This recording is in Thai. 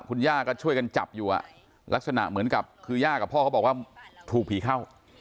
คุณย่าก็ช่วยกันจับอยู่ลักษณะเหมือนกับคือย่ากับพ่อเขาบอกว่าถูกผีเข้า